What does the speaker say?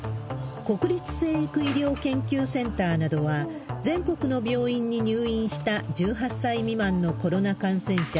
国立成育医療研究センターなどは、全国の病院に入院した１８歳未満のコロナ感染者